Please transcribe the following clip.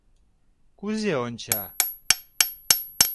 Кузе онча?